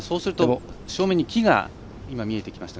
正面に木が見えてきました。